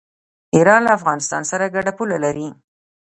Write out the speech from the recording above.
ایران له افغانستان سره ګډه پوله لري.